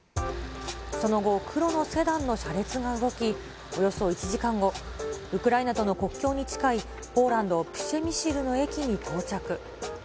その後、黒のセダンの車列が動き、およそ１時間後、ウクライナとの国境に近いポーランド・プシェミシルの駅に到着。